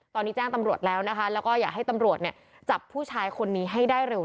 ตอนนี้แจ้งตำรวจแล้วนะคะแล้วก็อยากให้ตำรวจเนี่ยจับผู้ชายคนนี้ให้ได้เร็ว